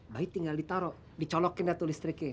bayi tinggal ditaro dicolokin atau listriknya